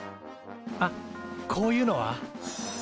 あっこういうのは？